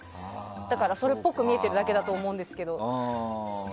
だからそれっぽく見えてるだけだと思うんですけど。